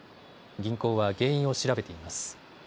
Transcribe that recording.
銀行は原因を調べています。